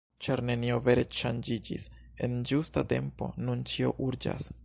Ĉar nenio vere ŝanĝiĝis en ĝusta tempo, nun ĉio urĝas.